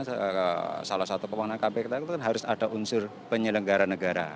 kita salah satu pembangunan kpk kita itu kan harus ada unsur penyelenggara negara